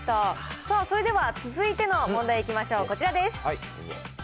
さあ、それでは続いての問題いきましょう、こちらです。